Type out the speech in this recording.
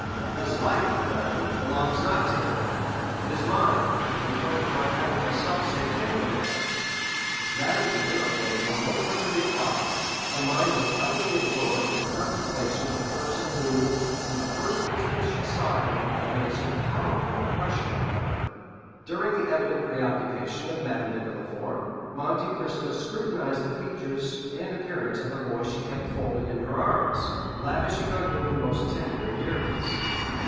"His life, madame, belongs not to him; it is mine, in return for my having myself saved him from death." Madame de Villefort made no further reply; her mind was utterly absorbed in the contemplation of the person who, from the first instant she saw him, had made so powerful an impression on her. During the evident preoccupation of Madame de Villefort, Monte Cristo scrutinized the features and appearance of the boy she kept folded in her arms, lavishing on him the most tender endearments.